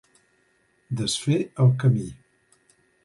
Desfer el camí.